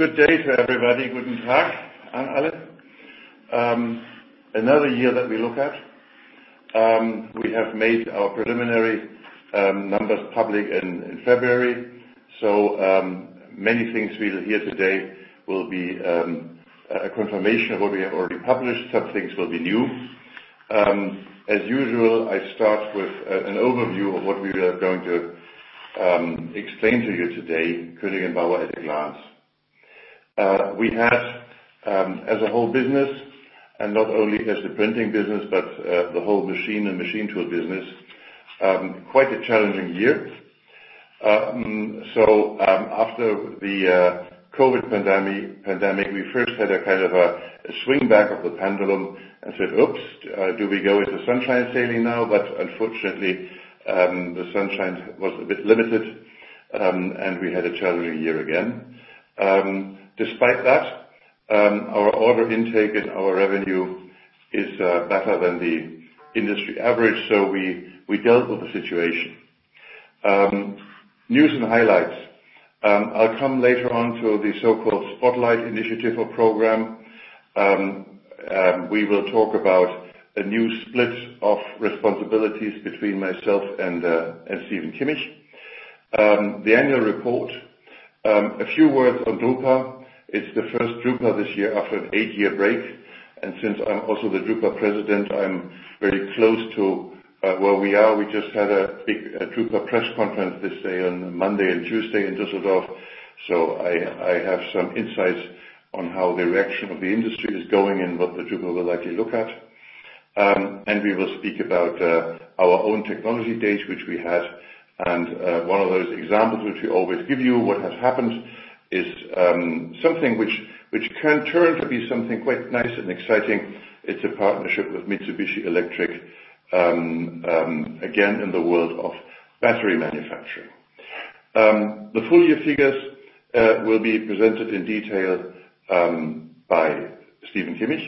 Good day to everybody. Another year that we look at. We have made our preliminary numbers public in February. Many things we'll hear today will be a confirmation of what we have already published. Some things will be new. As usual, I start with an overview of what we are going to explain to you today, Koenig & Bauer at a glance. We had, as a whole business, and not only as the printing business, but the whole machine and machine tool business, quite a challenging year. After the COVID pandemic, we first had a kind of a swing back of the pendulum and said, "Oops, do we go into sunshine sailing now?" Unfortunately, the sunshine was a bit limited, and we had a challenging year again. Despite that, our order intake and our revenue is better than the industry average, we dealt with the situation. News and highlights. I'll come later on to the so-called Spotlight initiative or program. We will talk about a new split of responsibilities between myself and Steven Kimmich. The annual report. A few words on drupa. It's the first drupa this year after an eight-year break. Since I'm also the drupa president, I'm very close to where we are. We just had a big drupa press conference this day on Monday and Tuesday in Düsseldorf. I have some insights on how the direction of the industry is going and what the drupa will likely look at. We will speak about our own technology date, which we had. One of those examples which we always give you what has happened is something which can turn to be something quite nice and exciting. It's a partnership with Mitsubishi Electric, again, in the world of battery manufacturing. The full year figures will be presented in detail by Steven Kimmich,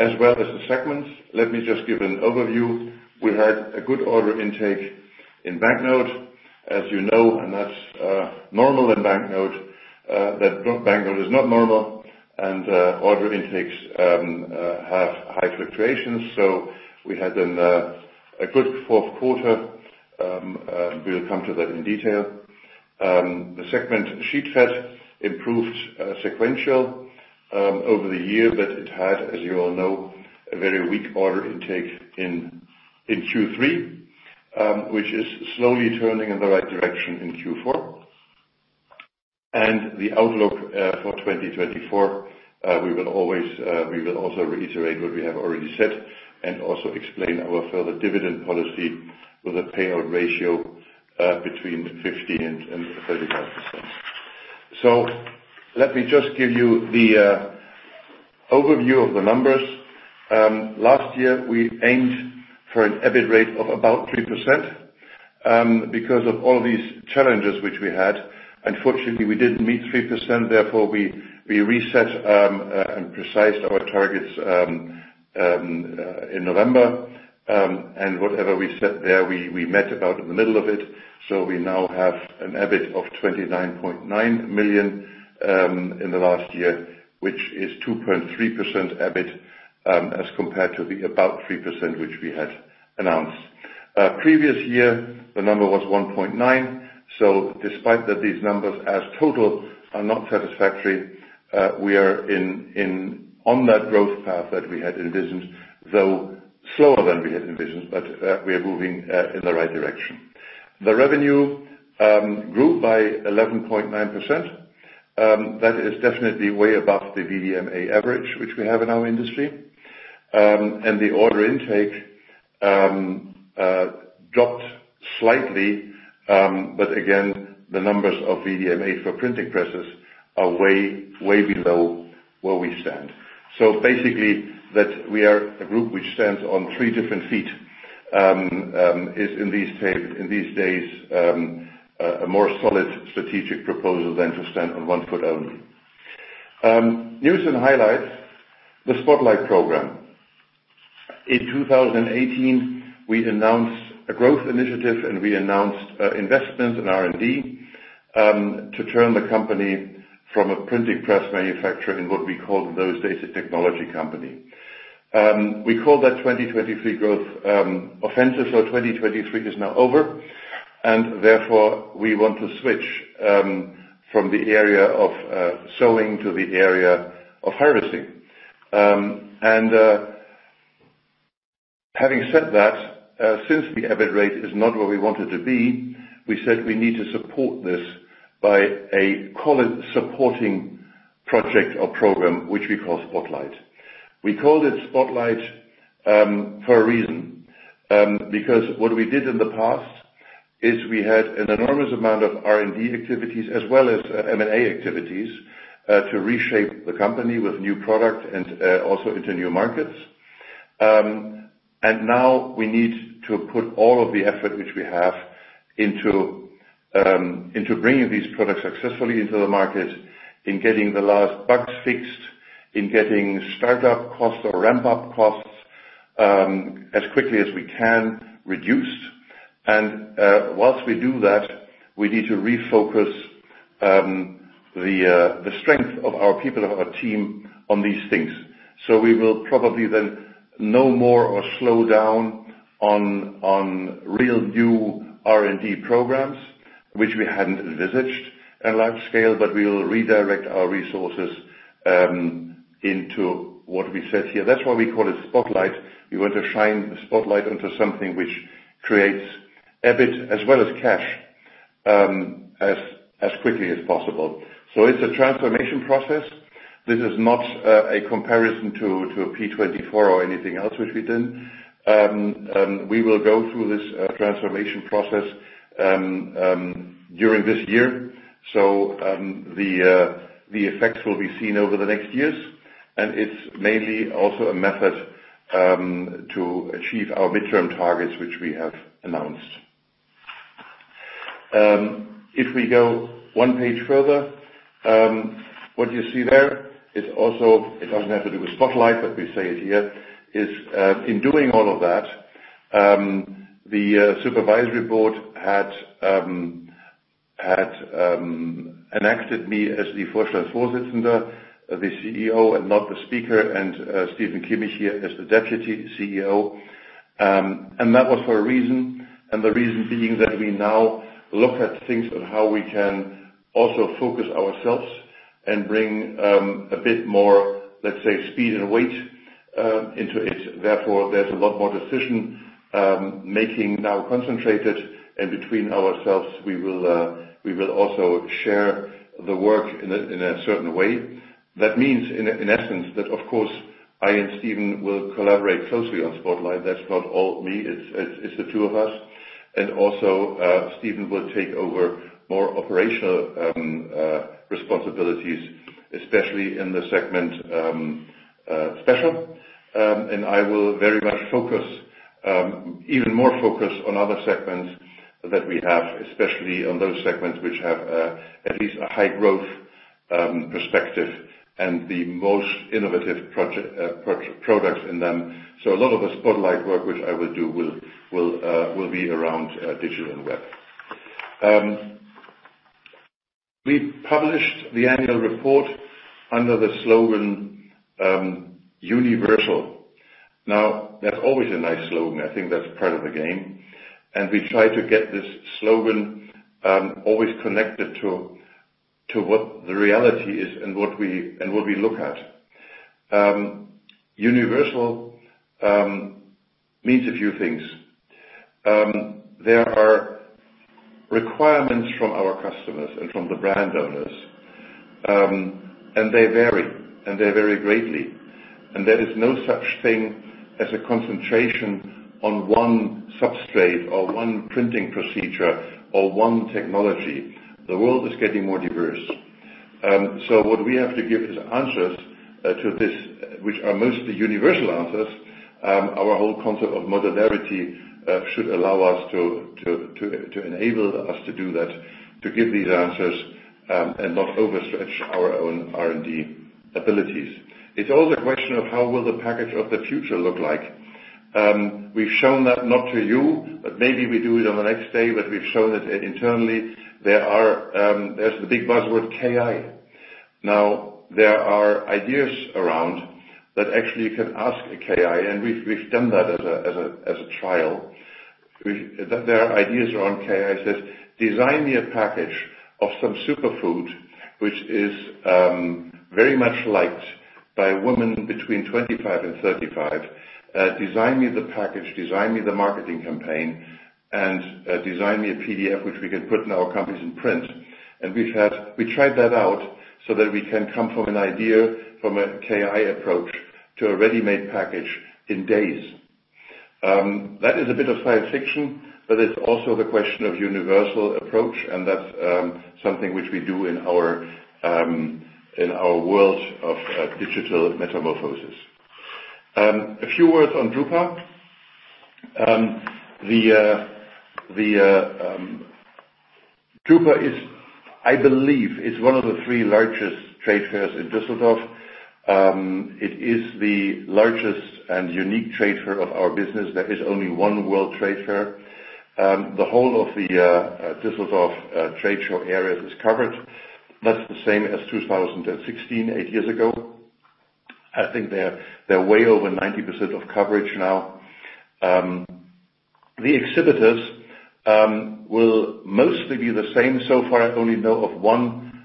as well as the segments. Let me just give an overview. We had a good order intake in banknote, as you know, that's normal in banknote. That banknote is not normal, order intakes have high fluctuations. We had a good fourth quarter. We'll come to that in detail. The segment Sheetfed improved sequential over the year, it had, as you all know, a very weak order intake in Q3, which is slowly turning in the right direction in Q4. The outlook for 2024, we will also reiterate what we have already said and also explain our further dividend policy with a payout ratio between 50% and 35%. Let me just give you the overview of the numbers. Last year, we aimed for an EBIT rate of about 3%. Because of all these challenges which we had, unfortunately, we didn't meet 3%. Therefore, we reset and précised our targets in November. Whatever we set there, we met about in the middle of it. We now have an EBIT of 29.9 million in the last year, which is 2.3% EBIT, as compared to the about 3% which we had announced. Previous year, the number was 1.9 million. Despite that these numbers as total are not satisfactory, we are on that growth path that we had envisioned, though slower than we had envisioned, we are moving in the right direction. The revenue grew by 11.9%. That is definitely way above the VDMA average, which we have in our industry. The order intake dropped slightly. Again, the numbers of VDMA for printing presses are way below where we stand. Basically, that we are a group which stands on three different feet, is in these days a more solid strategic proposal than to stand on one foot only. News and highlights, the Spotlight program. In 2018, we announced a growth initiative, and we announced investment in R&D to turn the company from a printing press manufacturer in what we called those days a technology company. We call that 2023 growth offensive, 2023 is now over, and therefore we want to switch from the area of sowing to the area of harvesting. Having said that, since the EBIT rate is not where we want it to be, we said we need to support this by a call it supporting project or program, which we call Spotlight. We called it Spotlight for a reason. Because what we did in the past is we had an enormous amount of R&D activities as well as M&A activities to reshape the company with new product and also into new markets. Now we need to put all of the effort which we have into bringing these products successfully into the market, in getting the last bugs fixed, in getting startup costs or ramp-up costs As quickly as we can reduce. Whilst we do that, we need to refocus the strength of our people, of our team on these things. We will probably then no more or slow down on real new R&D programs, which we hadn't envisaged at large scale. We will redirect our resources into what we said here. That's why we call it Spotlight. We want to shine the Spotlight onto something which creates EBIT as well as cash, as quickly as possible. It's a transformation process. This is not a comparison to a P24 or anything else which we've done. We will go through this transformation process during this year. The effects will be seen over the next years, and it's mainly also a method to achieve our midterm targets, which we have announced. If we go one page further, what you see there, it doesn't have to do with Spotlight, but we say it here, is in doing all of that, the supervisory board had enacted me as the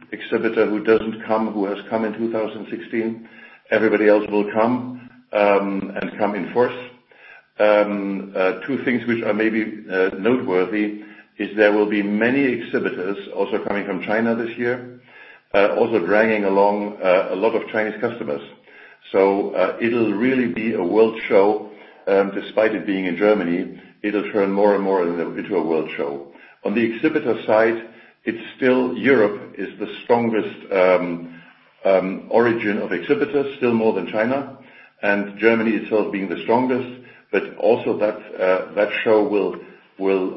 Two things which are maybe noteworthy is there will be many exhibitors also coming from China this year, also dragging along a lot of Chinese customers. It'll really be a world show, despite it being in Germany. It'll turn more and more into a world show. On the exhibitor side, it's still Europe is the strongest origin of exhibitors, still more than China, and Germany itself being the strongest. Also that show will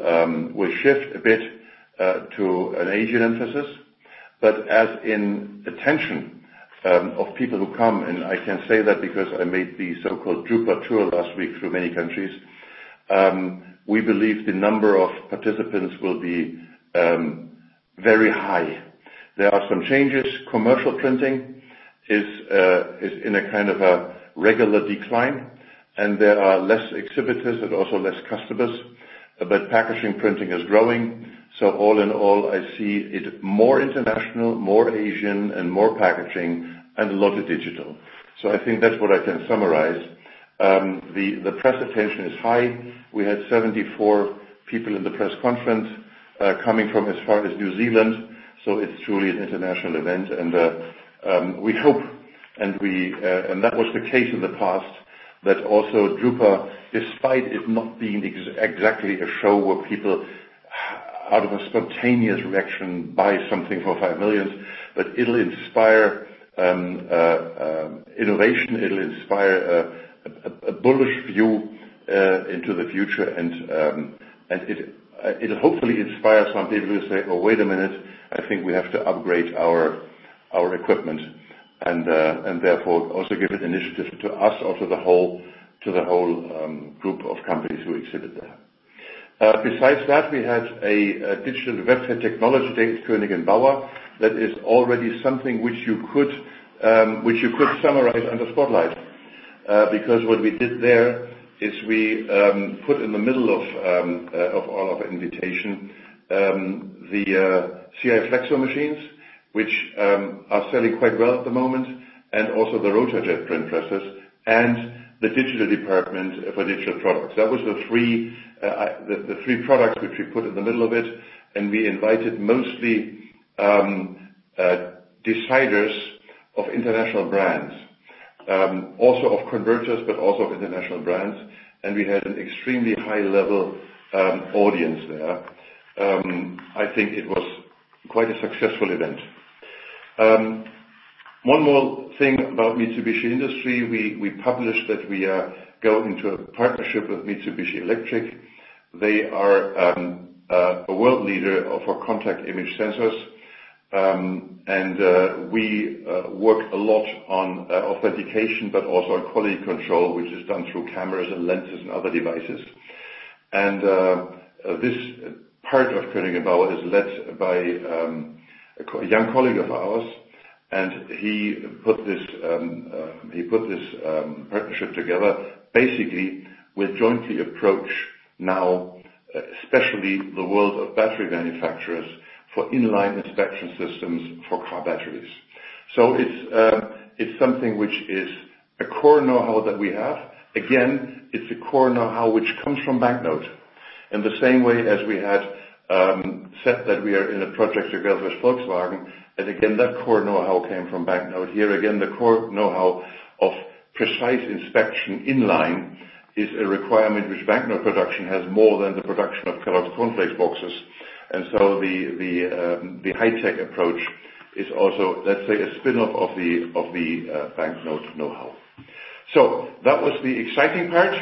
shift a bit to an Asian emphasis as in attention of people who come, and I can say that because I made the so-called drupa tour last week through many countries, we believe the number of participants will be very high. There are some changes. Commercial printing is in a kind of a regular decline, and there are less exhibitors and also less customers. Packaging printing is growing. All in all, I see it more international, more Asian, and more packaging and a lot of digital. I think that's what I can summarize. The press attention is high. We had 74 people in the press conference, coming from as far as New Zealand, so it's truly an international event. We hope, and that was the case in the past, that also drupa, despite it not being exactly a show where people, out of a spontaneous reaction, buy something for 5 million, but it'll inspire innovation, it'll inspire a bullish view into the future. It'll hopefully inspire some people to say, "Oh, wait a minute, I think we have to upgrade our equipment." Therefore, also give an initiative to us or to the whole group of companies who exhibit there. Besides that, we had a digital web-to-print technology day at Koenig & Bauer that is already something which you could summarize under Spotlight. What we did there is we put in the middle of all of our invitation, the CI flexo machines, which are selling quite well at the moment, and also the RotaJET print presses and the digital department for digital products. That was the three products which we put in the middle of it, we invited mostly deciders of international brands. Also of converters, but also of international brands, we had an extremely high-level audience there. I think it was quite a successful event. One more thing about Mitsubishi Industry. We published that we are going into a partnership with Mitsubishi Electric. They are a world leader for Contact Image Sensors. We work a lot on authentication, but also on quality control, which is done through cameras and lenses and other devices. This part of Koenig & Bauer is led by a young colleague of ours, he put this partnership together basically, we jointly approach now especially the world of battery manufacturers for in-line inspection systems for car batteries. It's something which is a core knowhow that we have. Again, it's a core knowhow which comes from banknote. In the same way as we had said that we are in a project together with Volkswagen, again, that core knowhow came from banknote. Again, the core knowhow of precise inspection in line is a requirement which banknote production has more than the production of Kellogg's Corn Flakes boxes. The high-tech approach is also, let's say, a spinoff of the banknote knowhow. That was the exciting part,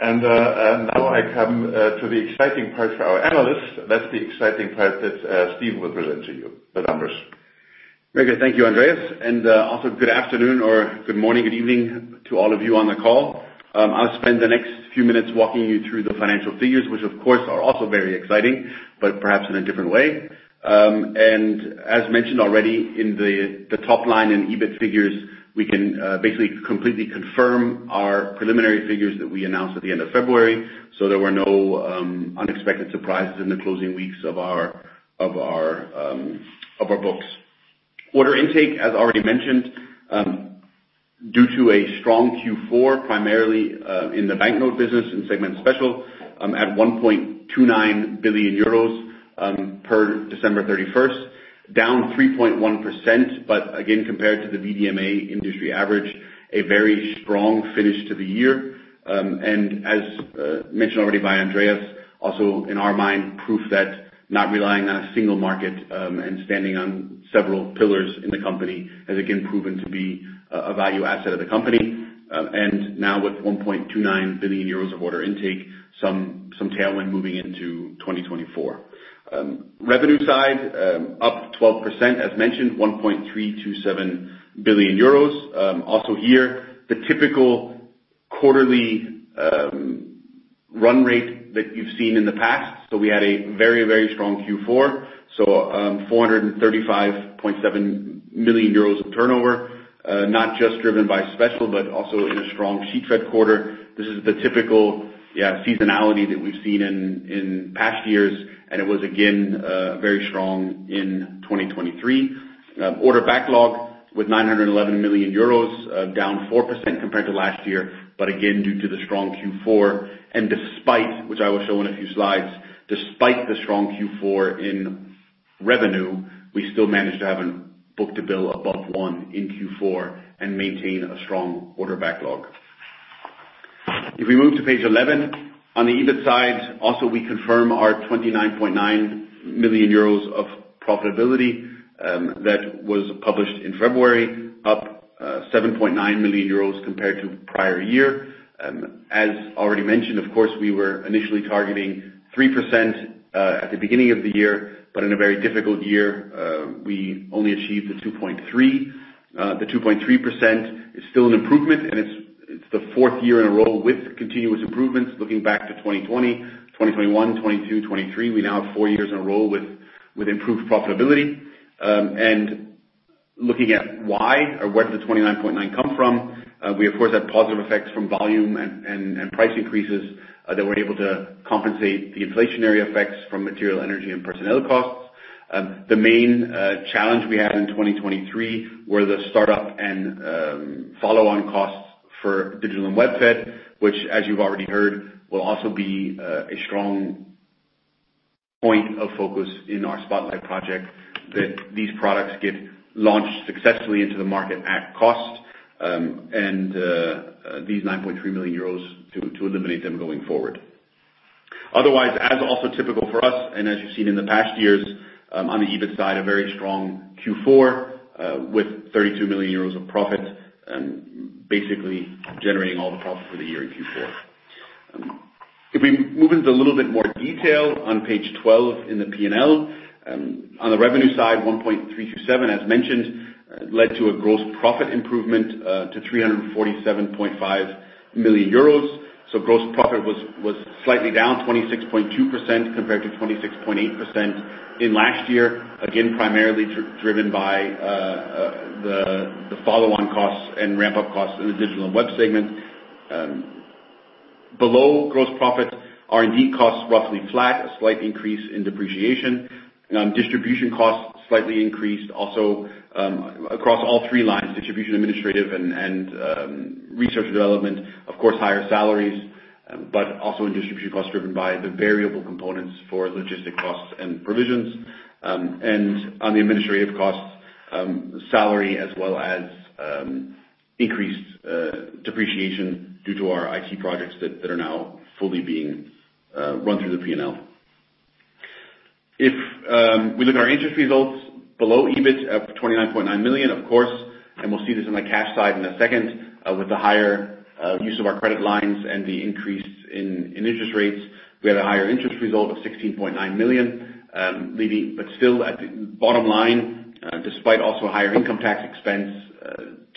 now I come to the exciting part for our analysts. That's the exciting part that Stephen will present to you, the numbers. Very good. Thank you, Andreas, and also good afternoon or good morning, good evening to all of you on the call. I'll spend the next few minutes walking you through the financial figures, which of course, are also very exciting, but perhaps in a different way. As mentioned already in the top line in EBIT figures, we can basically completely confirm our preliminary figures that we announced at the end of February. There were no unexpected surprises in the closing weeks of our books. Order intake, as already mentioned, due to a strong Q4, primarily, in the banknote business in segment Special, at 1.29 billion euros per December 31st, down 3.1%. Again, compared to the VDMA industry average, a very strong finish to the year. As mentioned already by Andreas, also in our mind, proof that not relying on a single market and standing on several pillars in the company has again proven to be a value asset of the company. Now with 1.29 billion euros of order intake, some tailwind moving into 2024. Revenue side, up 12%, as mentioned, 1.327 billion euros. Also here, the typical quarterly run rate that you've seen in the past. We had a very strong Q4. 435.7 million euros of turnover, not just driven by Special, but also in a strong Sheetfed quarter. This is the typical seasonality that we've seen in past years, and it was again, very strong in 2023. Order backlog with 911 million euros, down 4% compared to last year. Again, due to the strong Q4 and despite, which I will show in a few slides, despite the strong Q4 in revenue, we still managed to have a book-to-bill above 1 in Q4 and maintain a strong order backlog. If we move to page 11. On the EBIT side, also, we confirm our 29.9 million euros of profitability, that was published in February, up 7.9 million euros compared to prior year. As already mentioned, of course, we were initially targeting 3% at the beginning of the year, but in a very difficult year, we only achieved the 2.3%. The 2.3% is still an improvement and it's the fourth year in a row with continuous improvements, looking back to 2020, 2021, 2022, 2023. We now have four years in a row with improved profitability. Looking at why or where did the 29.9 million come from, we of course, had positive effects from volume and price increases that were able to compensate the inflationary effects from material energy and personnel costs. The main challenge we had in 2023 were the startup and follow-on costs for Digital & Webfed, which as you've already heard, will also be a strong point of focus in our Spotlight project that these products get launched successfully into the market at cost, and these 9.3 million euros to eliminate them going forward. Otherwise, as also typical for us and as you've seen in the past years, on the EBIT side, a very strong Q4, with 32 million euros of profit, and basically generating all the profit for the year in Q4. If we move into a little bit more detail on page 12 in the P&L. On the revenue side, 1,327 as mentioned, led to a gross profit improvement to 347.5 million euros. Gross profit was slightly down 26.2% compared to 26.8% in last year. Again, primarily driven by the follow-on costs and ramp-up costs in the Digital & Webfed segment. Below gross profit, R&D costs roughly flat, a slight increase in depreciation. Distribution costs slightly increased also, across all three lines, distribution, administrative, and research development. Of course, higher salaries, but also in distribution costs driven by the variable components for logistic costs and provisions. On the administrative costs, salary as well as increased depreciation due to our IT projects that are now fully being run through the P&L. If we look at our interest results below EBIT of 29.9 million, of course, and we'll see this in the cash side in a second, with the higher use of our credit lines and the increase in interest rates. We had a higher interest result of 16.9 million, still at the bottom line, despite also a higher income tax expense,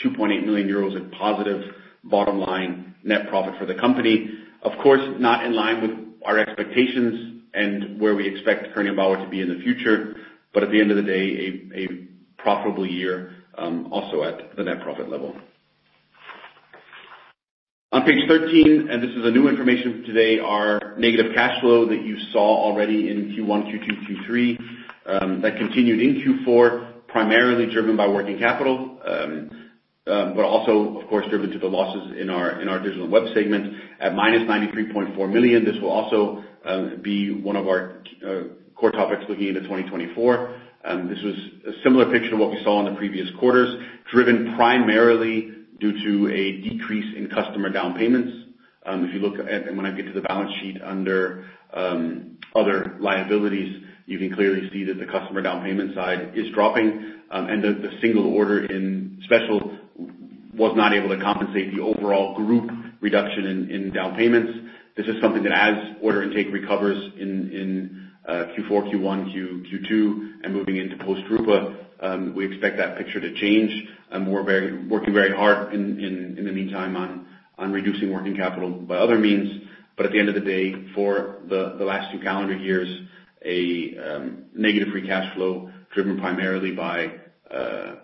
2.8 million euros of positive bottom line net profit for the company. Of course, not in line with our expectations and where we expect Koenig & Bauer to be in the future. At the end of the day, a profitable year, also at the net profit level. On page 13, this is a new information today, our negative cash flow that you saw already in Q1, Q2, Q3, that continued in Q4, primarily driven by working capital, also, of course, driven to the losses in our Digital & Webfed segment at -93.4 million. This will also be one of our core topics looking into 2024. This was a similar picture to what we saw in the previous quarters, driven primarily due to a decrease in customer down payments. If you look at, when I get to the balance sheet under other liabilities, you can clearly see that the customer down payment side is dropping, and the single order in Special was not able to compensate the overall group reduction in down payments. This is something that as order intake recovers in Q4, Q1, Q2, moving into post Drupa, we expect that picture to change, working very hard in the meantime on reducing working capital by other means. At the end of the day, for the last two calendar years, a negative free cash flow driven primarily by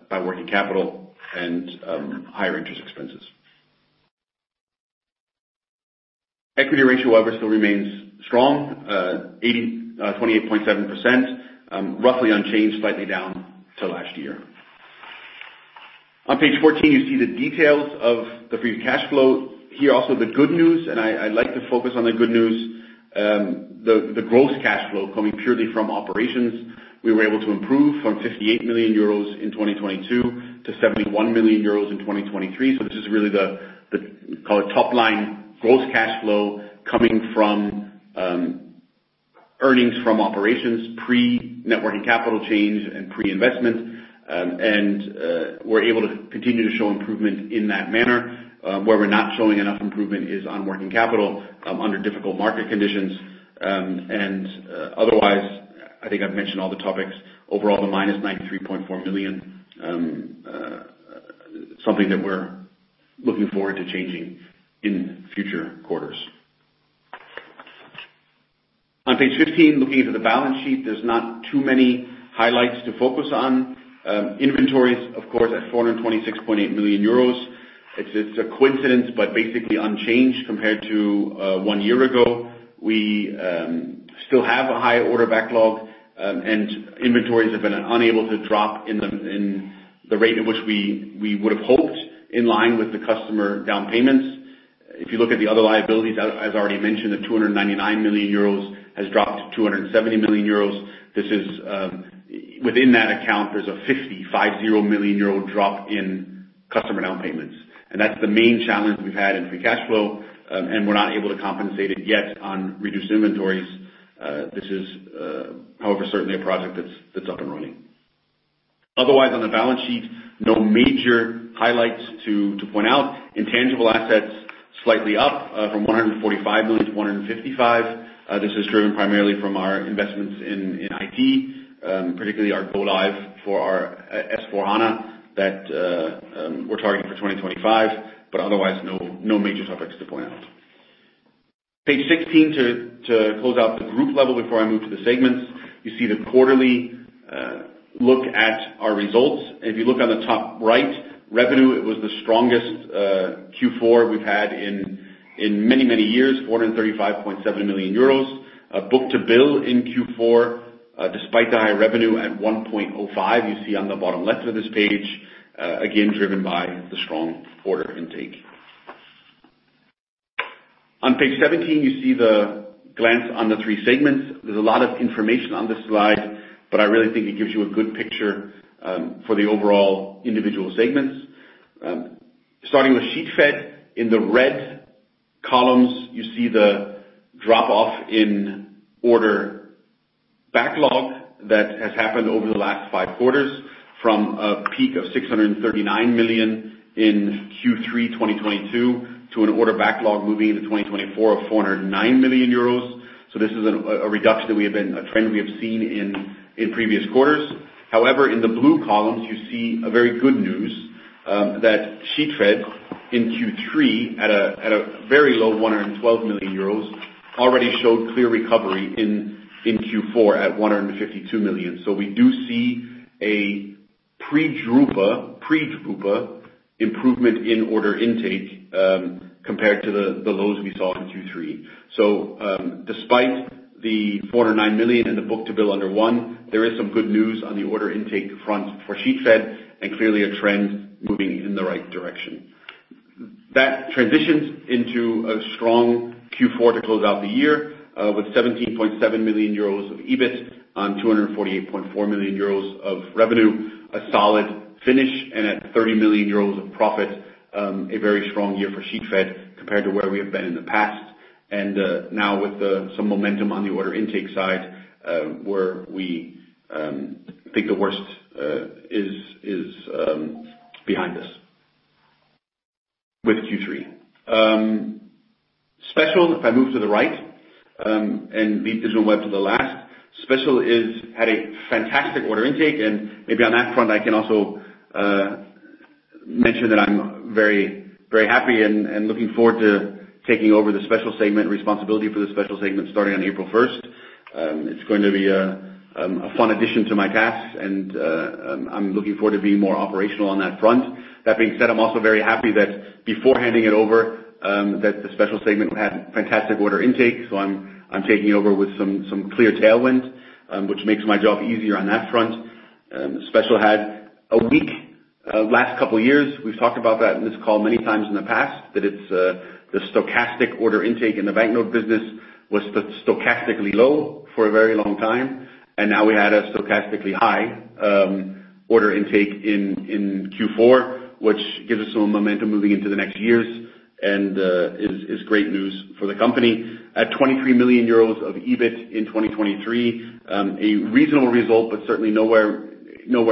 working capital and higher interest expenses. Equity ratio, however, still remains strong, 28.7%, roughly unchanged, slightly down to last year. On page 14, you see the details of the free cash flow. Here also the good news, I like to focus on the good news, the gross cash flow coming purely from operations. We were able to improve from 58 million euros in 2022 to 71 million euros in 2023. This is really the top line gross cash flow coming from earnings from operations, pre-networking capital change and pre-investment. We're able to continue to show improvement in that manner. Where we're not showing enough improvement is on working capital under difficult market conditions. Otherwise, I think I've mentioned all the topics. Overall, the -93.4 million, something that we're looking forward to changing in future quarters. On page 15, looking into the balance sheet, there's not too many highlights to focus on. Inventories, of course, at 426.8 million euros. It's a coincidence, but basically unchanged compared to one year ago. We still have a high order backlog, and inventories have been unable to drop in the rate at which we would have hoped, in line with the customer down payments. If you look at the other liabilities, as I already mentioned, the 299 million euros has dropped to 270 million euros. Within that account, there's a 50 million euro drop in customer down payments. That's the main challenge we've had in free cash flow, and we're not able to compensate it yet on reduced inventories. This is, however, certainly a project that's up and running. Otherwise, on the balance sheet, no major highlights to point out. Intangible assets slightly up from 145 million to 155 million. This is driven primarily from our investments in IT, particularly our go-live for our S/4HANA that we're targeting for 2025, but otherwise no major topics to point out. Page 16, to close out the group level before I move to the segments. You see the quarterly look at our results. If you look on the top right, revenue, it was the strongest Q4 we've had in many years, 435.7 million euros. Book-to-bill in Q4, despite the high revenue at 1.05, you see on the bottom left of this page, again, driven by the strong order intake. On page 17, you see the glance on the three segments. There's a lot of information on this slide, but I really think it gives you a good picture for the overall individual segments. Starting with Sheetfed, in the red columns, you see the drop-off in order backlog that has happened over the last five quarters from a peak of 639 million in Q3 2022 to an order backlog moving into 2024 of 409 million euros. This is a trend we have seen in previous quarters. However, in the blue columns, you see a very good news, that Sheetfed in Q3 at a very low 112 million euros, already showed clear recovery in Q4 at 152 million. We do see a pre-drupa improvement in order intake, compared to the lows we saw in Q3. Despite the 409 million in the book-to-bill under one, there is some good news on the order intake front for Sheetfed, and clearly a trend moving in the right direction. That transitions into a strong Q4 to close out the year, with 17.7 million euros of EBIT on 248.4 million euros of revenue, a solid finish, and at 30 million euros of profit, a very strong year for Sheetfed compared to where we have been in the past. Now with some momentum on the order intake side, where we think the worst is behind us with Q3. Special, if I move to the right, and Digital Web to the last. Special had a fantastic order intake. Maybe on that front, I can also mention that I am very happy and looking forward to taking over the Special segment responsibility for the Special segment starting on April 1st. It is going to be a fun addition to my tasks and I am looking forward to being more operational on that front. That being said, I am also very happy that before handing it over, that the Special segment had fantastic order intake. I am taking over with some clear tailwind, which makes my job easier on that front. Special had a weak last couple of years. We have talked about that in this call many times in the past, that it is the stochastic order intake in the banknote business was stochastically low for a very long time, and now we had a stochastically high order intake in Q4, which gives us some momentum moving into the next years and is great news for the company. At 23 million euros of EBIT in 2023, a reasonable result, but certainly nowhere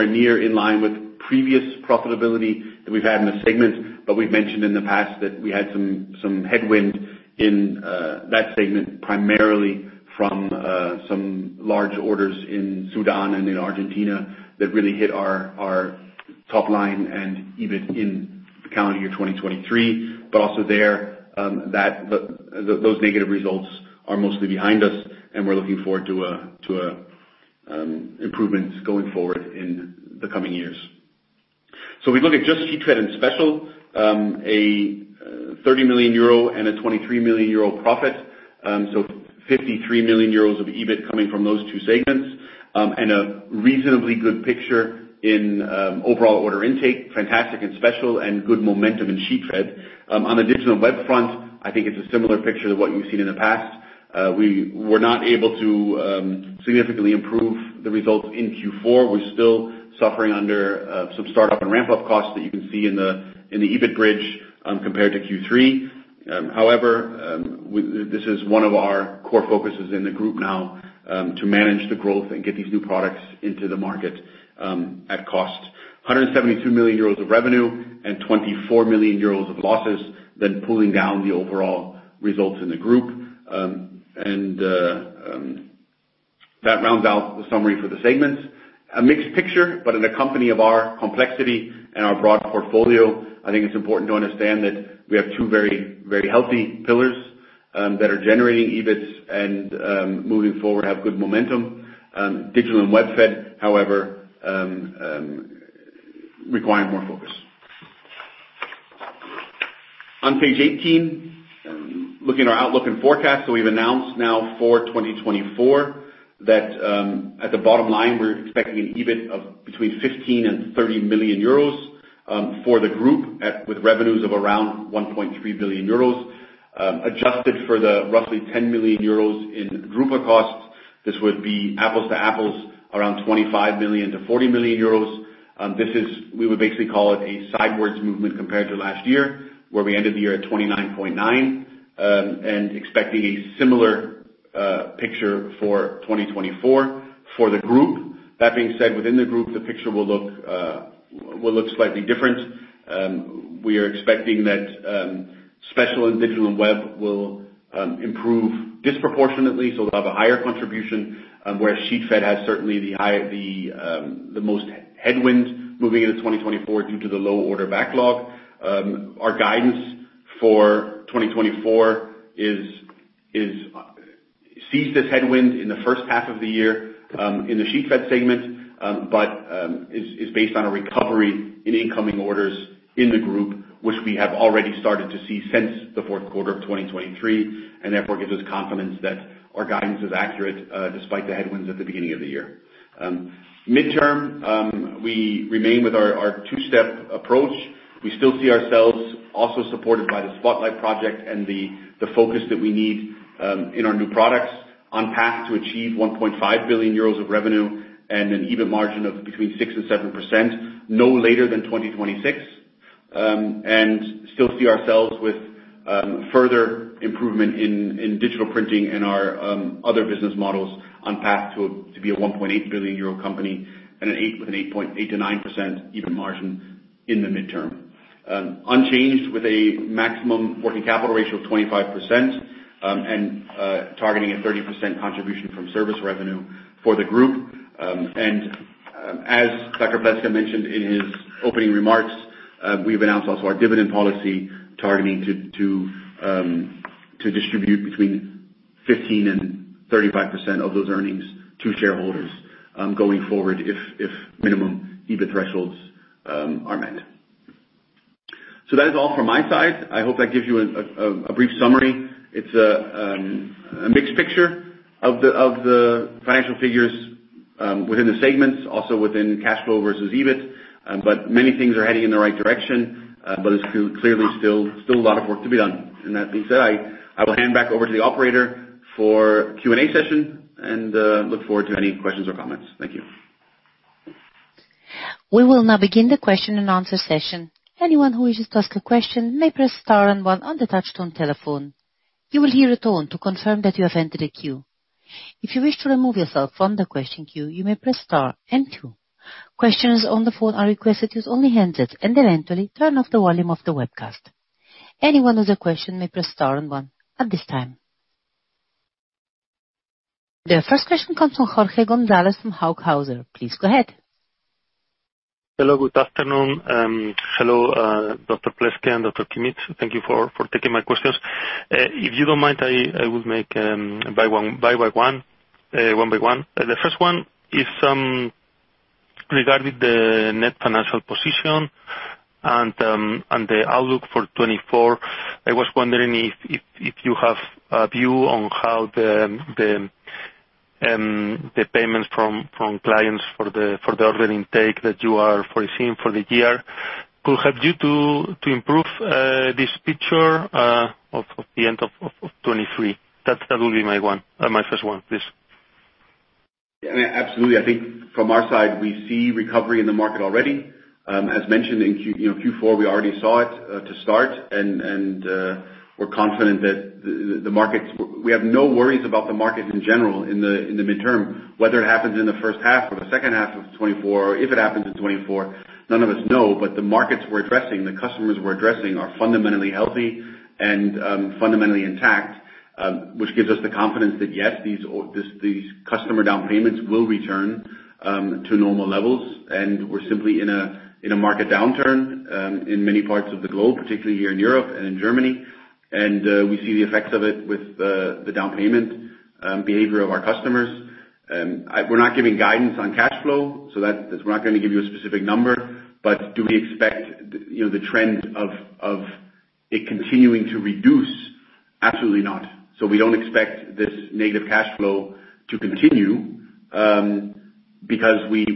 near in line with previous profitability that we have had in the segment. We have mentioned in the past that we had some headwind in that segment, primarily from some large orders in Sudan and in Argentina that really hit our top line and EBIT in the calendar year 2023. Also there, those negative results are mostly behind us, and we are looking forward to improvements going forward in the coming years. We look at just Sheetfed and Special, a 30 million euro and a 23 million euro profit. 53 million euros of EBIT coming from those two segments, and a reasonably good picture in overall order intake, fantastic and Special, and good momentum in Sheetfed. On the Digital & Webfed front, I think it is a similar picture to what you have seen in the past. We were not able to significantly improve the results in Q4. We are still suffering under some startup and ramp-up costs that you can see in the EBIT bridge, compared to Q3. However, this is one of our core focuses in the group now, to manage the growth and get these new products into the market at cost. 172 million euros of revenue and 24 million euros of losses, then pulling down the overall results in the group. That rounds out the summary for the segments. A mixed picture, but in a company of our complexity and our broad portfolio, I think it is important to understand that we have two very healthy pillars that are generating EBIT and moving forward have good momentum. Digital & Webfed, however, require more focus. On page 18, looking at our outlook and forecast. We have announced now for 2024 that at the bottom line, we are expecting an EBIT of between 15 million-30 million euros for the group, with revenues of around 1.3 billion euros. Adjusted for the roughly 10 million euros in drupa costs, this would be apples to apples, around 25 million-40 million euros. This is, we would basically call it a sidewards movement compared to last year, where we ended the year at 29.9 million, and expecting a similar picture for 2024 for the group. That being said, within the group, the picture will look slightly different. We are expecting that Special and Digital & Webfed will improve disproportionately, so we'll have a higher contribution, whereas Sheetfed has certainly the most headwind moving into 2024 due to the low order backlog. Our guidance for 2024 is seized as headwind in the first half of the year in the Sheetfed segment, but is based on a recovery in incoming orders in the group, which we have already started to see since the fourth quarter of 2023, therefore, it gives us confidence that our guidance is accurate, despite the headwinds at the beginning of the year. Midterm, we remain with our two-step approach. We still see ourselves also supported by the Spotlight project and the focus that we need in our new products on path to achieve 1.5 billion euros of revenue and an EBIT margin of between 6% and 7% no later than 2026. Still see ourselves with further improvement in digital printing and our other business models on path to be a 1.8 billion euro company and with an 8.8%-9% EBIT margin in the midterm. Unchanged with a maximum working capital ratio of 25%, and targeting a 30% contribution from service revenue for the group. As Dr. Pleßke mentioned in his opening remarks, we've announced also our dividend policy targeting to distribute between 15% and 35% of those earnings to shareholders, going forward, if minimum EBIT thresholds are met. That is all from my side. I hope that gives you a brief summary. It's a mixed picture of the financial figures within the segments, also within cash flow versus EBIT, many things are heading in the right direction. There's clearly still a lot of work to be done. That being said, I will hand back over to the operator for Q&A session and look forward to any questions or comments. Thank you. We will now begin the question and answer session. Anyone who wishes to ask a question may press star one on the touch-tone telephone. You will hear a tone to confirm that you have entered a queue. If you wish to remove yourself from the question queue, you may press star two. Questions on the phone are requested to use only handsets and then to turn off the volume of the webcast. Anyone with a question may press star one at this time. The first question comes from Jorge Gonzalez from Hauck Aufhäuser. Please go ahead. Hello. Good afternoon. Hello, Dr. Pleßke and Dr. Kimmich. Thank you for taking my questions. If you don't mind, I will take them one by one. The first one is regarding the net financial position and the outlook for 2024. I was wondering if you have a view on how the payments from clients for the order intake that you are foreseeing for the year could help you to improve this picture of the end of 2023. That will be my first one, please. Absolutely. I think from our side, we see recovery in the market already. As mentioned in Q4, we already saw it to start, we're confident that the markets-- We have no worries about the market in general in the midterm, whether it happens in the first half or the second half of 2024, or if it happens in 2024, none of us know. The markets we're addressing, the customers we're addressing, are fundamentally healthy and fundamentally intact, which gives us the confidence that, yes, these customer down payments will return to normal levels, and we're simply in a market downturn in many parts of the globe, particularly here in Europe and in Germany. We see the effects of it with the down payment behavior of our customers. We're not giving guidance on cash flow, we're not going to give you a specific number. Do we expect the trend of it continuing to reduce? Absolutely not. We don't expect this negative cash flow to continue, because what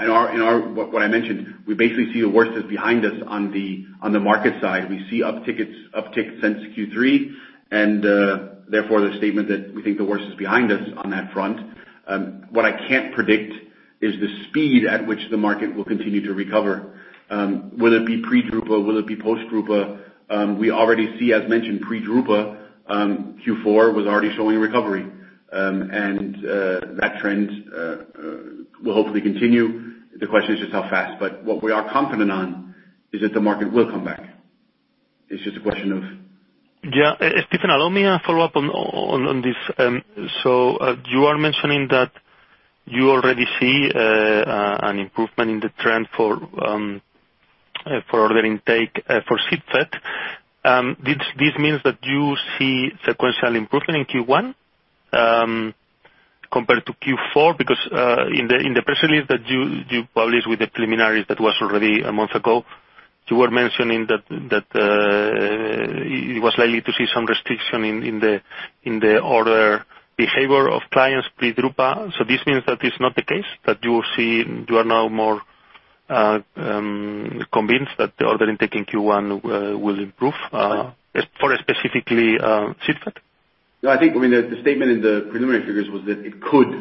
I mentioned, we basically see the worst is behind us on the market side. We see upticks since Q3, therefore, the statement that we think the worst is behind us on that front. What I can't predict is the speed at which the market will continue to recover. Will it be pre-drupa? Will it be post-drupa? We already see, as mentioned, pre-drupa, Q4 was already showing a recovery. That trend will hopefully continue. The question is just how fast. What we are confident on is that the market will come back. Stephan, allow me a follow-up on this. You are mentioning that you already see an improvement in the trend for order intake for Sheetfed. This means that you see sequential improvement in Q1 compared to Q4? In the press release that you published with the preliminaries that was already one month ago, you were mentioning that it was likely to see some restriction in the order behavior of clients pre-drupa. This means that is not the case, that you are now more convinced that the order intake in Q1 will improve for specifically Sheetfed? No, I think the statement in the preliminary figures was that it could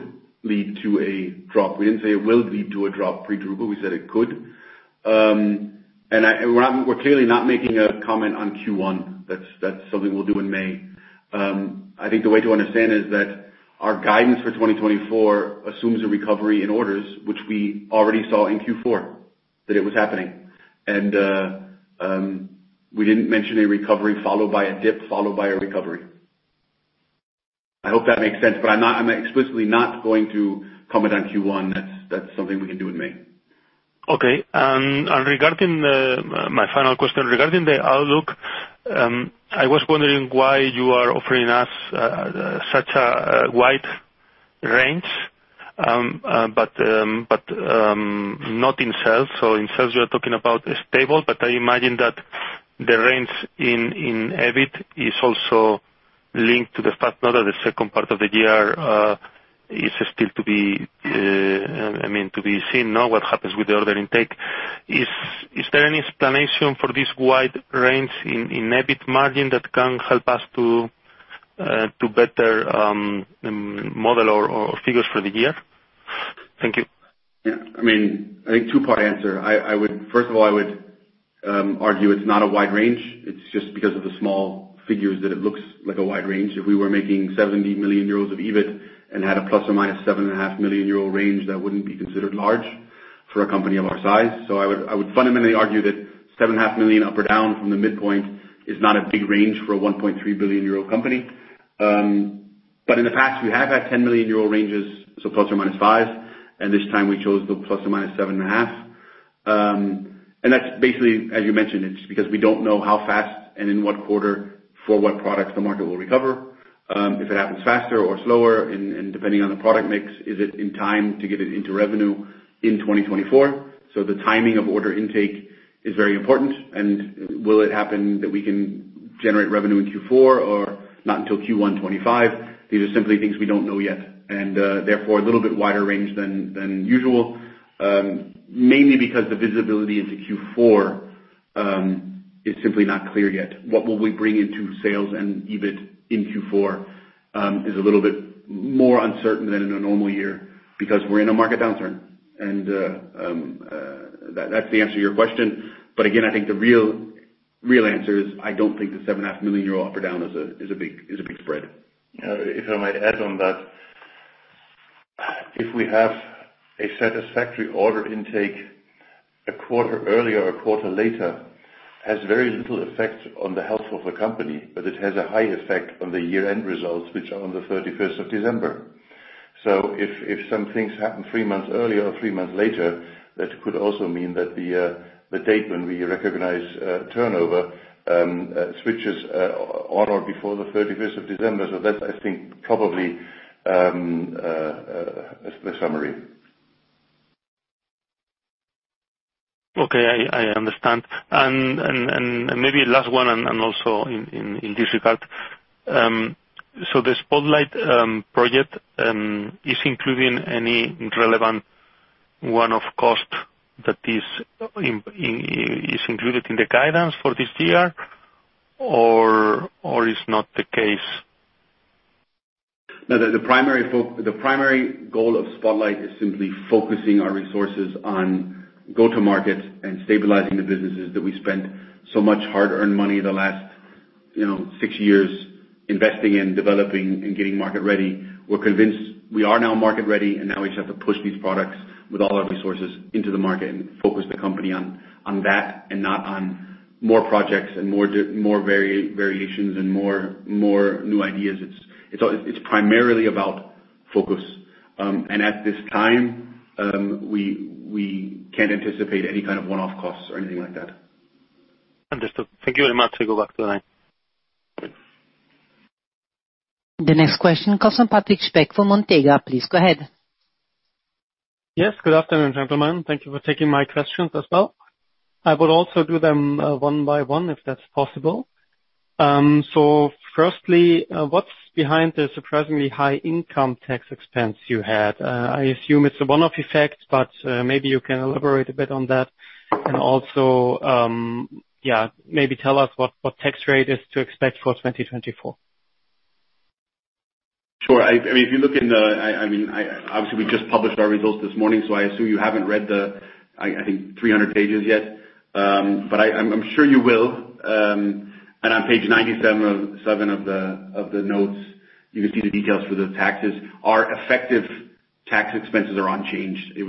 lead to a drop. We didn't say it will lead to a drop pre-drupa. We said it could. We're clearly not making a comment on Q1. That's something we'll do in May. I think the way to understand is that our guidance for 2024 assumes a recovery in orders, which we already saw in Q4, that it was happening. We didn't mention a recovery followed by a dip, followed by a recovery. I hope that makes sense, but I'm explicitly not going to comment on Q1. That's something we can do in May. Okay. My final question, regarding the outlook, I was wondering why you are offering us such a wide range, not in sales. In sales, you're talking about stable, I imagine that the range in EBIT is also linked to the fact now that the second part of the year is still to be seen now what happens with the order intake. Is there any explanation for this wide range in EBIT margin that can help us to better model our figures for the year? Thank you. Yeah. I think two-part answer. First of all, I would argue it's not a wide range. It's just because of the small figures that it looks like a wide range. If we were making 70 million euros of EBIT and had a ±7.5 million euro range, that wouldn't be considered large for a company of our size. I would fundamentally argue that 7.5 million up or down from the midpoint is not a big range for a 1.3 billion euro company. In the past, we have had 10 million euro ranges, so ±5, and this time we chose the ±7.5. That's basically, as you mentioned, it's because we don't know how fast and in what quarter for what products the market will recover. If it happens faster or slower and depending on the product mix, is it in time to get it into revenue in 2024? The timing of order intake is very important, and will it happen that we can generate revenue in Q4 or not until Q1 2025? These are simply things we don't know yet, therefore a little bit wider range than usual. Mainly because the visibility into Q4, is simply not clear yet. What will we bring into sales and EBIT in Q4, is a little bit more uncertain than in a normal year because we're in a market downturn. That's the answer to your question. Again, I think the real answer is I don't think the 7.5 million euro up or down is a big spread. If I might add on that. If we have a satisfactory order intake a quarter earlier or a quarter later, has very little effect on the health of the company, but it has a high effect on the year-end results, which are on the 31st of December. If some things happen three months earlier or three months later, that could also mean that the date when we recognize turnover switches on or before the 31st of December. That's, I think, probably the summary. Okay. I understand. Maybe last one and also in this regard. The Spotlight project, is including any relevant one of cost that is included in the guidance for this year or is not the case? No. The primary goal of Spotlight is simply focusing our resources on go-to-market and stabilizing the businesses that we spent so much hard-earned money the last six years investing in, developing and getting market ready. We're convinced we are now market ready, and now we just have to push these products with all our resources into the market and focus the company on that and not on more projects and more variations and more new ideas. It's primarily about focus. At this time, we can't anticipate any kind of one-off costs or anything like that. Understood. Thank you very much. I go back to the line. The next question comes from Patrick Speck from Montega. Please go ahead. Yes. Good afternoon, gentlemen. Thank you for taking my questions as well. I would also do them one by one, if that's possible. Firstly, what's behind the surprisingly high income tax expense you had? I assume it's a one-off effect, but maybe you can elaborate a bit on that. Also, maybe tell us what tax rate is to expect for 2024. Sure. Obviously, we just published our results this morning, I assume you haven't read the, I think, 300 pages yet. I'm sure you will. On page 97 of the notes, you can see the details for the taxes. Our effective tax expenses are unchanged.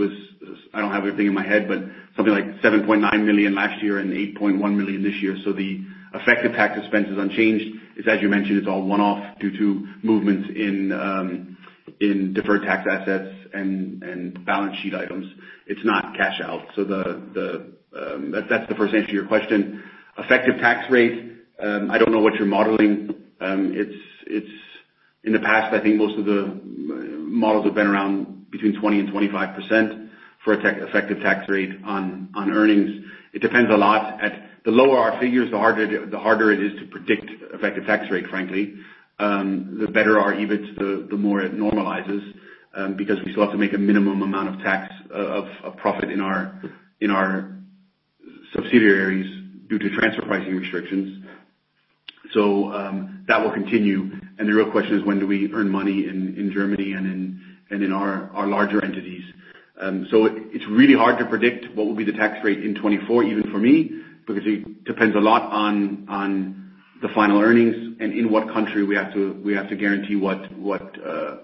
I don't have everything in my head, but something like 7.9 million last year and 8.1 million this year. The effective tax expense is unchanged. As you mentioned, it's all one-off due to movements in deferred tax assets and balance sheet items. It's not cash out. That's the first answer to your question. Effective tax rate, I don't know what you're modeling. In the past, I think most of the models have been around between 20%-25% for effective tax rate on earnings. It depends a lot. The lower our figures, the harder it is to predict effective tax rate, frankly. The better our EBIT, the more it normalizes, because we still have to make a minimum amount of profit in our subsidiaries due to transfer pricing restrictions. That will continue. The real question is, when do we earn money in Germany and in our larger entities? It's really hard to predict what will be the tax rate in 2024, even for me, because it depends a lot on the final earnings and in what country we have to guarantee what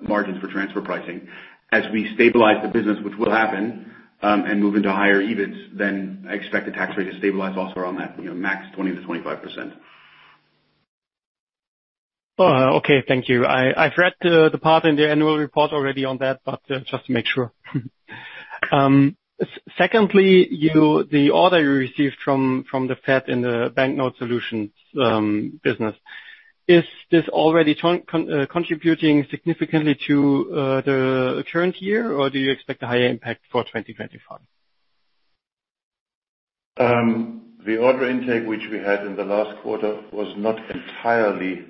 margins for transfer pricing. As we stabilize the business, which will happen, move into higher EBITs, I expect the tax rate to stabilize also around that, max 20%-25%. Okay, thank you. I've read the part in the annual report already on that, but just to make sure. Secondly, the order you received from Federal Reserve in the banknote solutions business, is this already contributing significantly to the current year, or do you expect a higher impact for 2025? The order intake which we had in the last quarter was not entirely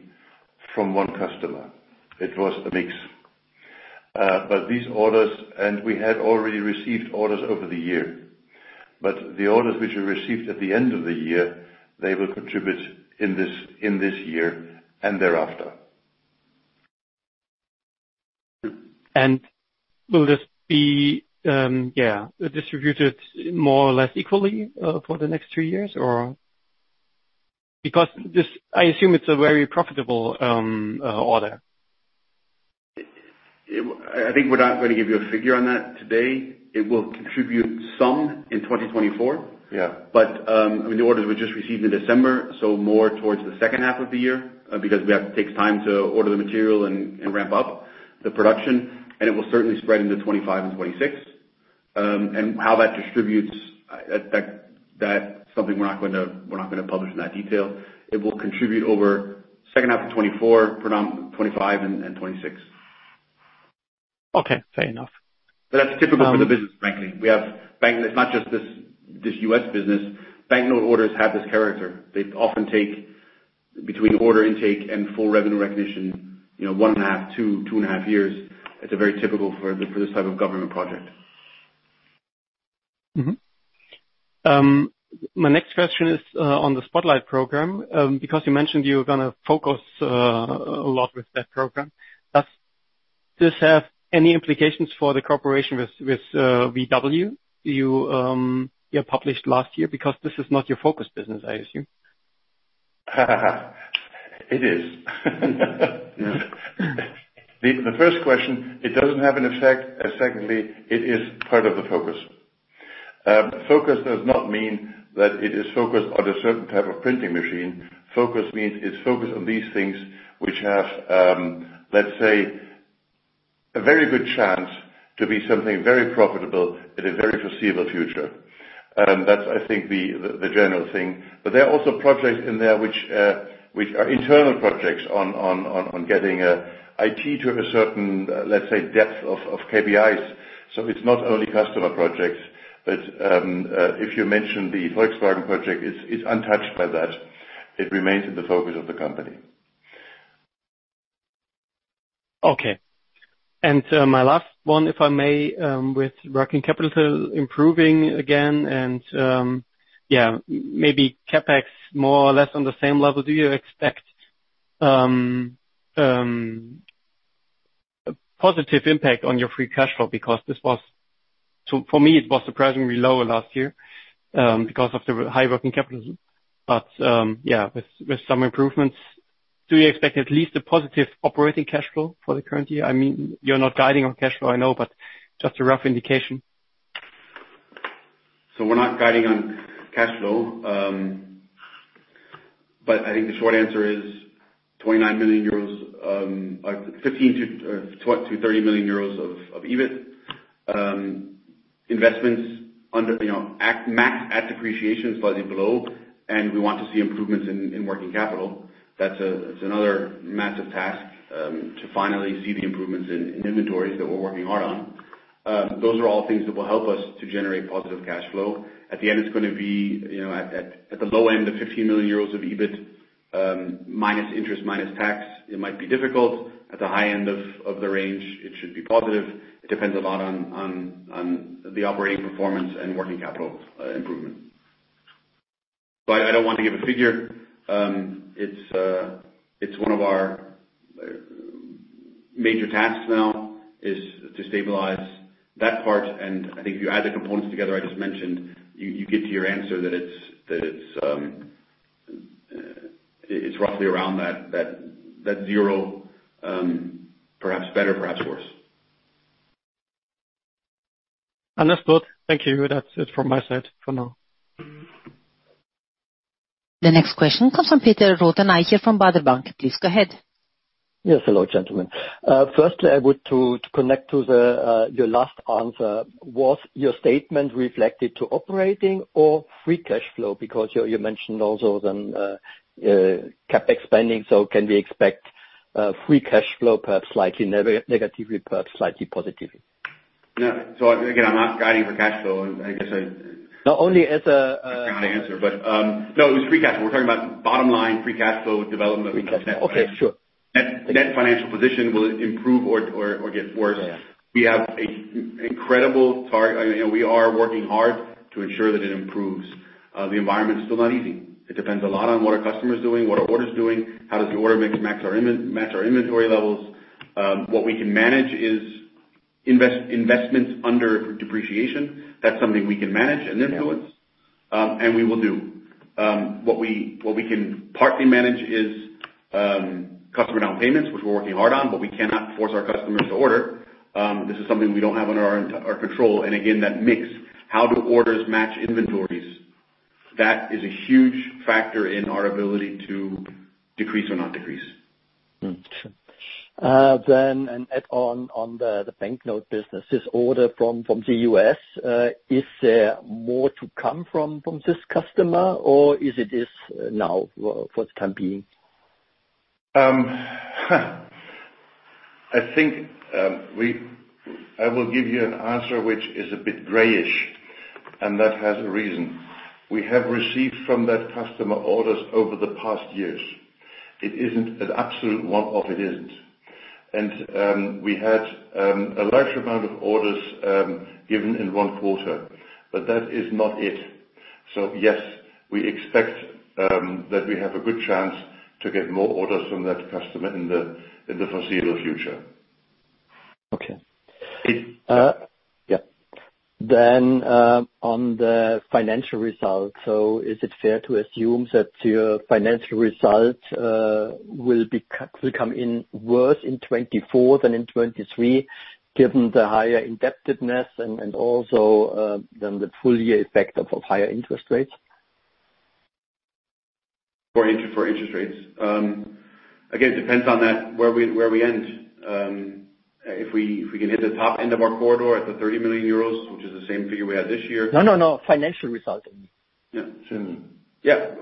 from one customer. It was a mix. These orders, and we had already received orders over the year, but the orders which we received at the end of the year, they will contribute in this year and thereafter. Will this be distributed more or less equally for the next three years or? I assume it's a very profitable order. I think we're not going to give you a figure on that today. It will contribute some in 2024. Yeah. The orders were just received in December, so more towards the second half of the year, because it takes time to order the material and ramp up the production. It will certainly spread into 2025 and 2026. How that distributes, that's something we're not going to publish in that detail. It will contribute over second half of 2024, predominant 2025 and 2026. Okay, fair enough. That's typical for the business, frankly. It's not just this U.S. business. Banknote orders have this character. They often take between order intake and full revenue recognition, one and a half, two and a half years. It's very typical for this type of government project. My next question is on the Spotlight program, because you mentioned you were going to focus a lot with that program. Does this have any implications for the cooperation with VW you published last year? Because this is not your focus business, I assume. It is. The first question, it doesn't have an effect, and secondly, it is part of the focus. Focus does not mean that it is focused on a certain type of printing machine. Focus means it's focused on these things which have, let's say, a very good chance to be something very profitable in the very foreseeable future. That's, I think, the general thing. There are also projects in there which are internal projects on getting IT to a certain, let's say, depth of KPIs. It's not only customer projects, but if you mentioned the Volkswagen project, it's untouched by that. It remains in the focus of the company. Okay. My last one, if I may, with working capital improving again and maybe CapEx more or less on the same level, do you expect a positive impact on your free cash flow? Because for me, it was surprisingly lower last year, because of the high working capital. With some improvements, do you expect at least a positive operating cash flow for the current year? You're not guiding on cash flow, I know, but just a rough indication. We're not guiding on cash flow. I think the short answer is 29 million euros, or 15 million-30 million euros of EBIT. Investments max at depreciations by the globe, and we want to see improvements in working capital. That's another massive task to finally see the improvements in inventories that we're working hard on. Those are all things that will help us to generate positive cash flow. At the end it's going to be at the low end of 15 million euros of EBIT, minus interest, minus tax. It might be difficult. At the high end of the range, it should be positive. It depends a lot on the operating performance and working capital improvement. I don't want to give a figure. It's one of our major tasks now, is to stabilize that part, and I think if you add the components together I just mentioned, you get to your answer that it's roughly around that zero. Perhaps better, perhaps worse. Understood. Thank you. That's it from my side for now. The next question comes from Peter Rothenaicher from Baader Bank. Please go ahead. Yes. Hello, gentlemen. Firstly, I would to connect to your last answer. Was your statement reflected to operating or free cash flow? Because you mentioned also then CapEx spending, so can we expect free cash flow perhaps slightly negative or perhaps slightly positive? Again, I'm not guiding for cash flow. No, only as kind of answer. No, it was free cash flow. We are talking about bottom line free cash flow development with Alstef. Okay. Sure. Net financial position will improve or get worse. Yeah. We have a incredible target, and we are working hard to ensure that it improves. The environment is still not easy. It depends a lot on what our customer's doing, what our order's doing, how does the order mix match our inventory levels. What we can manage is investments under depreciation. That's something we can manage and influence, and we will do. What we can partly manage is customer down payments, which we're working hard on, but we cannot force our customers to order. This is something we don't have under our control. Again, that mix, how do orders match inventories? That is a huge factor in our ability to decrease or not decrease. Sure. An add on the banknote business. This order from the U.S., is there more to come from this customer, or is it this now for the time being? I think I will give you an answer which is a bit grayish, and that has a reason. We have received from that customer orders over the past years. It isn't an absolute one-off, it isn't. We had a large amount of orders given in one quarter, but that is not it. Yes, we expect that we have a good chance to get more orders from that customer in the foreseeable future. Okay. It- Yeah. On the financial results. Is it fair to assume that your financial results will come in worse in 2024 than in 2023, given the higher indebtedness and also then the full year effect of higher interest rates? For interest rates. Again, it depends on where we end. If we can hit the top end of our corridor at the 30 million euros, which is the same figure we had this year- No, no. Financial results. Yeah. Sure. Yeah.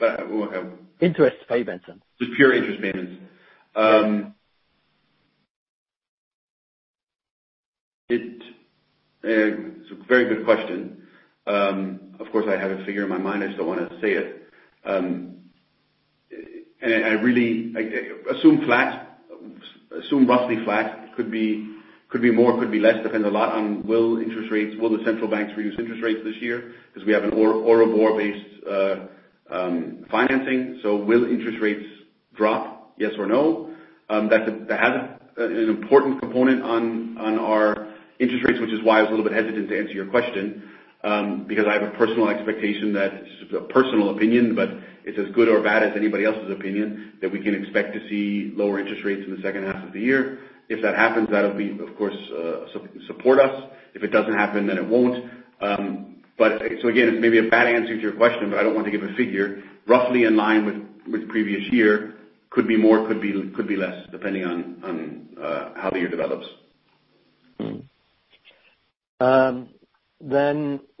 We'll have- Interest payments, then Just pure interest payments. It's a very good question. Of course, I have a figure in my mind. I just don't want to say it. Assume roughly flat, could be more, could be less, depends a lot on will the central banks reduce interest rates this year? Because we have an EURIBOR-based financing. Will interest rates drop, yes or no? That has an important component on our interest rates, which is why I was a little bit hesitant to answer your question, because I have a personal expectation, a personal opinion, but it's as good or bad as anybody else's opinion, that we can expect to see lower interest rates in the second half of the year. If that happens, that'll, of course, support us. If it doesn't happen, it won't. Again, it may be a bad answer to your question, but I don't want to give a figure. Roughly in line with previous year. Could be more, could be less, depending on how the year develops.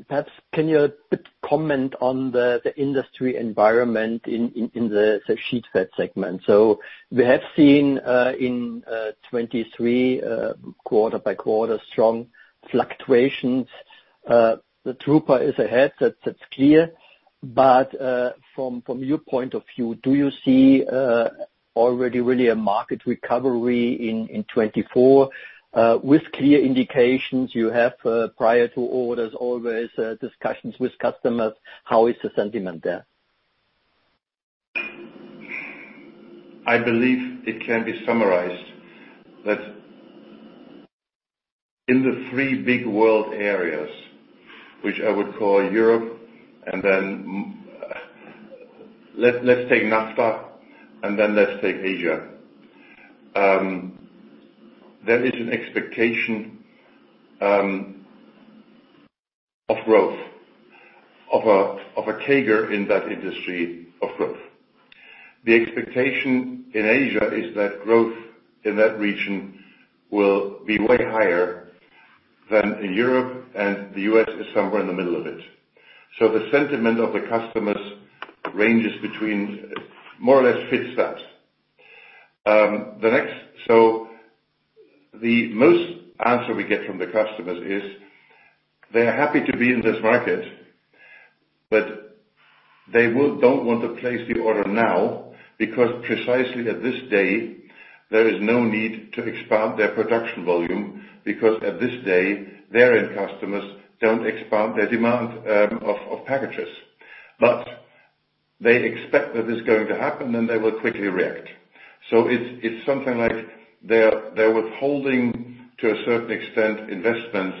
Perhaps can you comment on the industry environment in the Sheetfed segment? We have seen in 2023, quarter by quarter, strong fluctuations. The drupa is ahead, that's clear. From your point of view, do you see already really a market recovery in 2024? With clear indications you have prior to orders, always discussions with customers. How is the sentiment there? I believe it can be summarized that in the three big world areas, which I would call Europe, let's take NAFTA, let's take Asia. There is an expectation of growth, of a CAGR in that industry of growth. The expectation in Asia is that growth in that region will be way higher than in Europe, and the U.S. is somewhere in the middle of it. The sentiment of the customers ranges between more or less fits that. The most answer we get from the customers is they are happy to be in this market, but they don't want to place the order now because precisely at this day, there is no need to expand their production volume because at this day, their end customers don't expand their demand of packages. They expect that it's going to happen, and they will quickly react. It's something like they're withholding, to a certain extent, investments,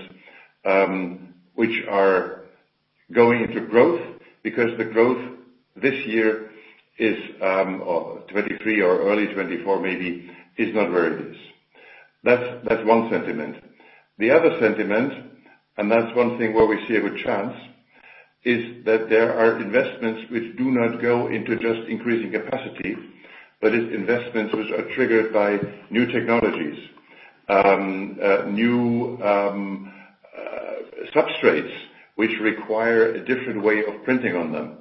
which are going into growth because the growth this year is 2023 or early 2024 maybe is not where it is. That's one sentiment. The other sentiment, that's one thing where we see a good chance, is that there are investments which do not go into just increasing capacity, but it's investments which are triggered by new technologies. New substrates which require a different way of printing on them.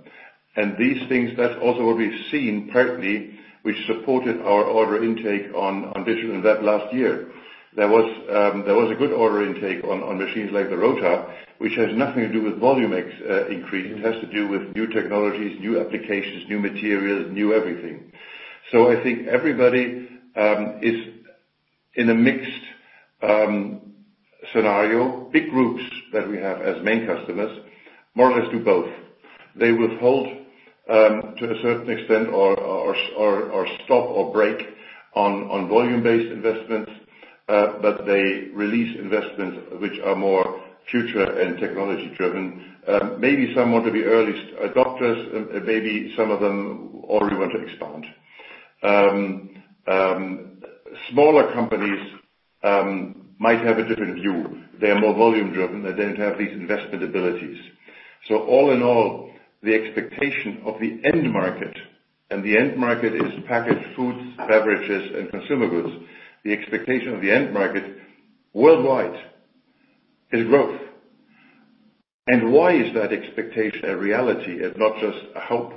These things, that's also what we've seen partly, which supported our order intake on Digital and that last year. There was a good order intake on machines like the RotaJET, which has nothing to do with volume increase. It has to do with new technologies, new applications, new materials, new everything. I think everybody is in a mixed scenario. Big groups that we have as main customers more or less do both. They withhold to a certain extent or stop or break on volume-based investments, but they release investments which are more future and technology-driven. Maybe some want to be early adopters, maybe some of them already want to expand. Smaller companies might have a different view. They are more volume-driven. They don't have these investment abilities. All in all, the expectation of the end market and the end market is packaged foods, beverages, and consumer goods. The expectation of the end market worldwide is growth. Why is that expectation a reality and not just a hope?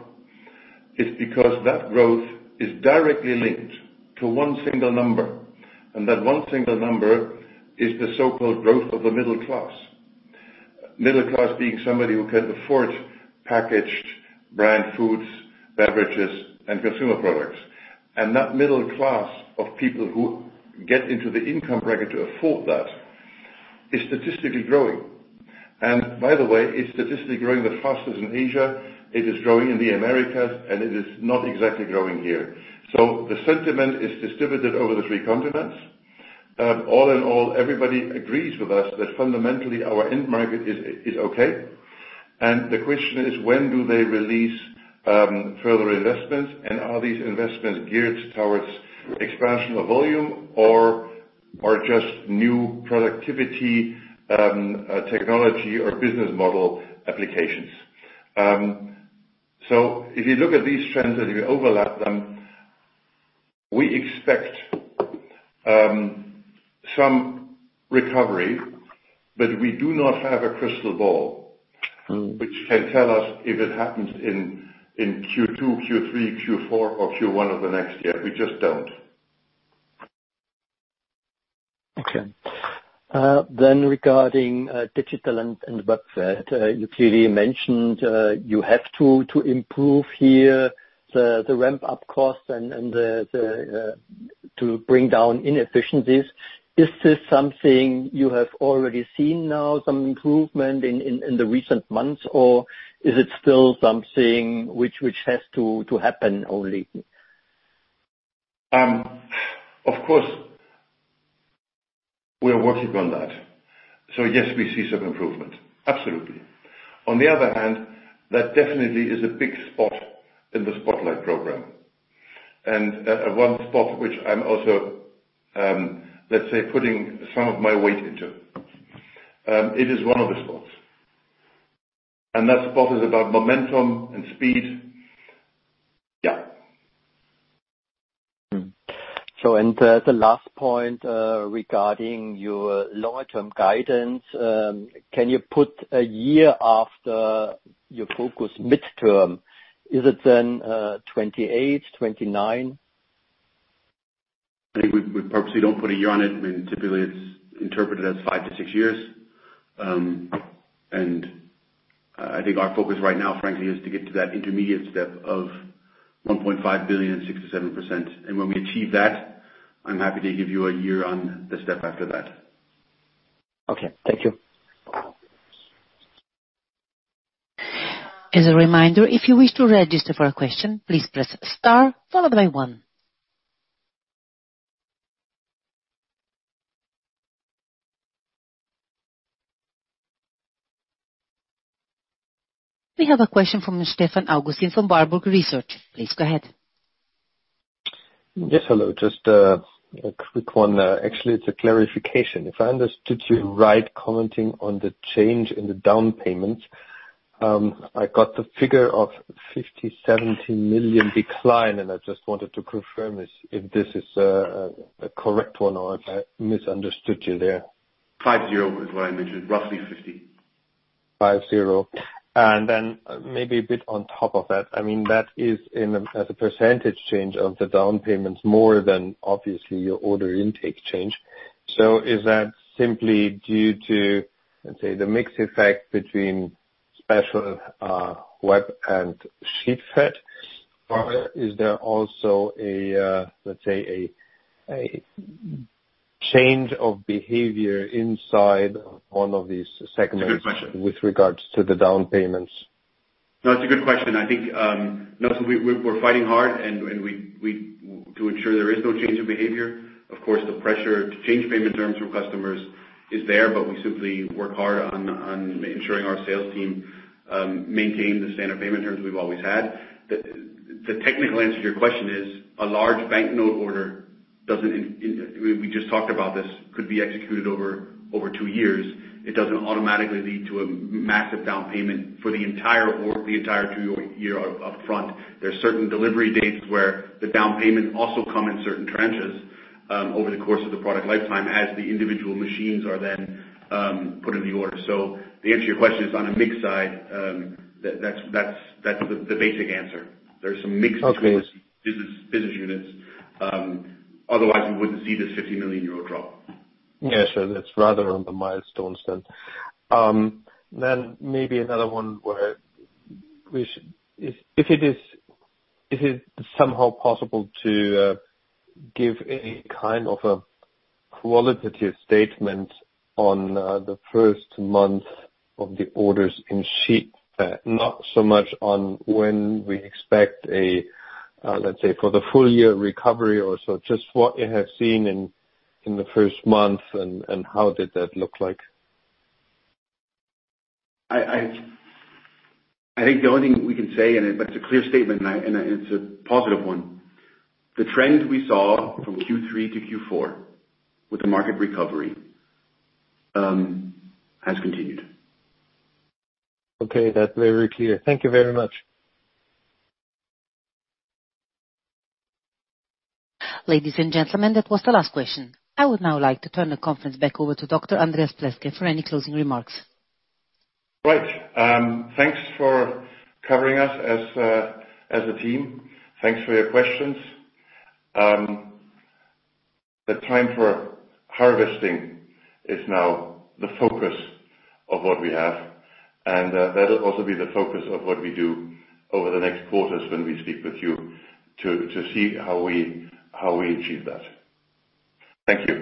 It's because that growth is directly linked to one single number, and that one single number is the so-called growth of the middle class. Middle class being somebody who can afford packaged brand foods, beverages, and consumer products. That middle class of people who get into the income bracket to afford that is statistically growing. By the way, it's statistically growing the fastest in Asia. It is growing in the Americas, and it is not exactly growing here. The sentiment is distributed over the three continents. All in all, everybody agrees with us that fundamentally our end market is okay. The question is, when do they release further investments? Are these investments geared towards expansion of volume or just new productivity, technology or business model applications? If you look at these trends and if you overlap them, we expect some recovery, but we do not have a crystal ball which can tell us if it happens in Q2, Q3, Q4, or Q1 of the next year. We just don't. Okay. Regarding Digital & Webfed, you clearly mentioned you have to improve here the ramp-up cost and to bring down inefficiencies. Is this something you have already seen now some improvement in the recent months, or is it still something which has to happen only? Of course. We are working on that. Yes, we see some improvement. Absolutely. On the other hand, that definitely is a big spot in the Spotlight program. One spot which I'm also, let's say, putting some of my weight into. It is one of the spots, and that spot is about momentum and speed. Yeah. The last point, regarding your longer term guidance, can you put a year after your focus midterm? Is it 2028, 2029? I think we purposely don't put a year on it. Typically it's interpreted as five to six years. I think our focus right now, frankly, is to get to that intermediate step of 1.5 billion and 67%. When we achieve that, I'm happy to give you a year on the step after that. Okay. Thank you. As a reminder, if you wish to register for a question, please press star followed by one. We have a question from Stefan Augustin from Baader Bank Research. Please go ahead. Yes, hello. Just a quick one. Actually, it's a clarification if I understood you right, commenting on the change in the down payments. I got the figure of 50, 70 million decline and I just wanted to confirm if this is a correct one or if I misunderstood you there. 50 is what I mentioned. Roughly 50. 50. Then maybe a bit on top of that. That is as a percentage change of the down payments more than obviously your order intake change. Is that simply due to, let's say, the mix effect between Special Web and Sheetfed? Or is there also a, let's say, change of behavior inside one of these segments? It's a good question. -with regards to the down payments? No, it's a good question. I think, Nelson, we're fighting hard and to ensure there is no change in behavior. Of course, the pressure to change payment terms from customers is there, but we simply work hard on ensuring our sales team maintain the standard payment terms we've always had. The technical answer to your question is a large banknote order doesn't We just talked about this, could be executed over 2 years. It doesn't automatically lead to a massive down payment for the entire 2-year upfront. There are certain delivery dates where the down payment also come in certain trenches, over the course of the product lifetime as the individual machines are then put in the order. So the answer to your question is on a mix side, that's the basic answer. There's some mix- Okay. -of those business units. Otherwise we wouldn't see this 50 million euro drop. Yeah, sure. That's rather on the milestones then. Maybe another one where if it is somehow possible to give any kind of a qualitative statement on the first month of the orders in Sheetfed. Not so much on when we expect a, let's say, for the full year recovery or so, just what you have seen in the first month and how did that look like? I think the only thing we can say, and it's a clear statement and it's a positive one. The trend we saw from Q3 to Q4 with the market recovery has continued. Okay. That's very clear. Thank you very much. Ladies and gentlemen, that was the last question. I would now like to turn the conference back over to Dr. Andreas Pleßke for any closing remarks. Right. Thanks for covering us as a team. Thanks for your questions. The time for harvesting is now the focus of what we have, and that'll also be the focus of what we do over the next quarters when we speak with you to see how we achieve that. Thank you.